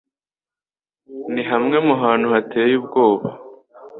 ni hamwe mu hantu hateye ubwoba